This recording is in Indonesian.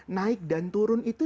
naik dan turun itu